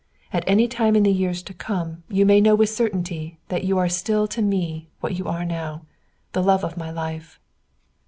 At any time in the years to come you may know with certainty that you are still to me what you are now, the love of my life.